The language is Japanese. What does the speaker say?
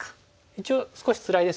一応少しつらいですけどね